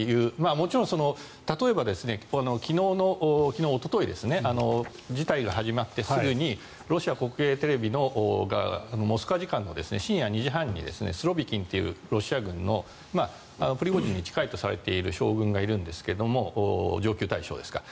もちろん例えばおとといの事態が始まってすぐにロシア国営テレビがモスクワ時間の深夜２時半にスロビキンというロシア軍のプリゴジンに近いとされている将軍がいるんですが上級大将ですか。